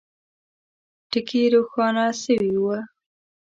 ټکي روښانه سوي وه.